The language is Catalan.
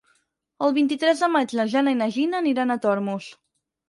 El vint-i-tres de maig na Jana i na Gina aniran a Tormos.